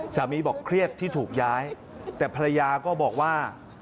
บอกเครียดที่ถูกย้ายแต่ภรรยาก็บอกว่า